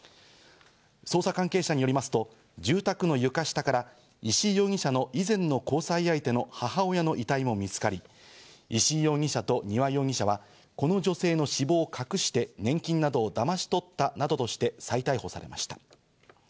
捜査関係者によりますと、住宅の床下から石井容疑者の以前の交際相手の母親の遺体も見つかり、石井容疑者と丹羽容疑者はこの女性の死亡を隠して年金などをだまし取ったなどとして再逮捕されました。